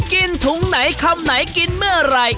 กินถุงไหนคำไหนกินเมื่อไหร่